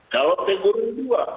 kalau teguran dua